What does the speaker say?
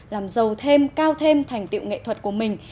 làm giàu thêm cao thêm thành tiệu nghệ thuật của mình